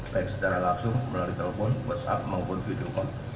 baik secara langsung melalui telepon whatsapp maupun video call